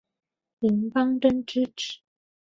林邦桢之子。